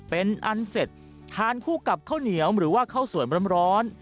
เป็นอันเสร็จทานคู่กับข้าวเหนียวหรือว่าข้าวสวยร้อน